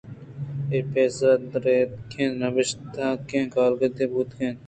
اے پیسرا دیریگیں نبشتگیں کاگدے بوتگ اَت